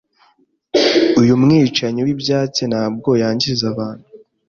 Uyu mwicanyi wibyatsi ntabwo yangiza abantu.